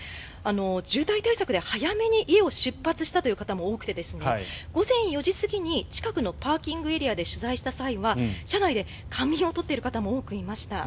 渋滞対策で早めに家を出発したという方も多くて午前４時過ぎに近くのパーキングエリアで取材した際は車内で仮眠を取っている方も多くいらっしゃいました。